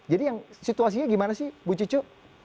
jadi yang situasinya gimana sih ibu cicu